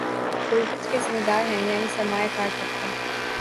غربت کے ذمہ دار ہیں یعنی سر ما یہ دار طبقہ